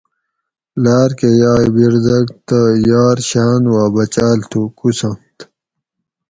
لار کہ یائ بردگ تہ یار شاۤن وا بچاۤل تھُو کوڅنت